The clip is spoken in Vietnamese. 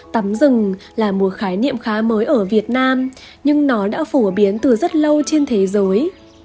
tắm rừng là một khái niệm khá mới ở việt nam nhưng nó đã phổ biến từ rất lâu trên thế giới